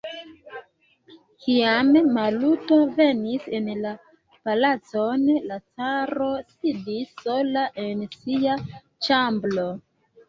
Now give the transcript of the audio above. Kiam Maluto venis en la palacon, la caro sidis sola en sia ĉambro.